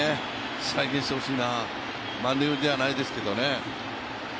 再現してほしいな、満塁ではないですけどね。